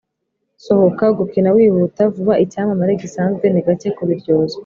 sohoka gukina wihuta vubaicyamamare gisanzwe ni gake kubiryozwa